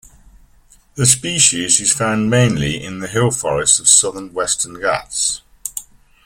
The species is found mainly in the hill forests of the southern Western Ghats.